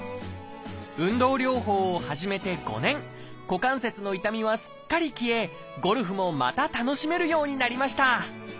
股関節の痛みはすっかり消えゴルフもまた楽しめるようになりました。